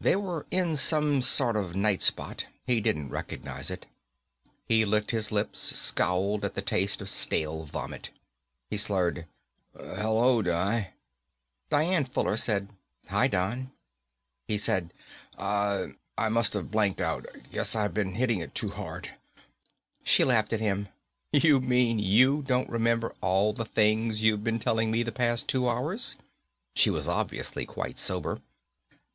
They were in some sort of night spot. He didn't recognize it. He licked his lips, scowled at the taste of stale vomit. He slurred, "Hello, Di." Dian Fuller said, "Hi, Don." He said, "I must've blanked out. Guess I've been hitting it too hard." She laughed at him. "You mean you don't remember all the things you've been telling me the past two hours?" She was obviously quite sober.